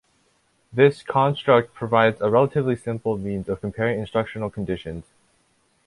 This construct provides a relatively simple means of comparing instructional conditions.